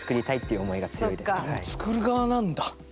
もう作る側なんだ。